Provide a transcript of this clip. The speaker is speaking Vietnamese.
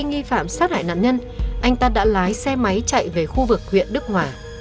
nghi phạm sát hại nạn nhân anh ta đã lái xe máy chạy về khu vực huyện đức hòa